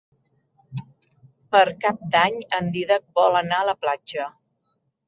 Per Cap d'Any en Dídac vol anar a la platja.